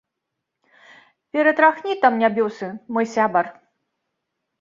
Ператрахні там нябёсы, мой сябар.